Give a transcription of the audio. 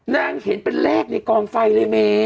เห็นเป็นเลขในกองไฟเลยเม